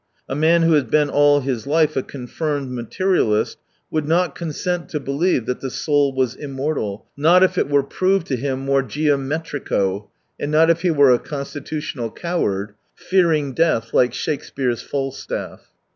A man who has been all his life a confirmed materialist would not consent to believe that the soul was immortal, not if it were proved to him more geometrico, and not if he were a constitutional coward, fearing death like Shakespeare's Falstaff.